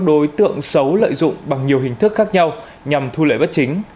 đối tượng xấu lợi dụng bằng nhiều hình thức khác nhau nhằm thu lợi bất chính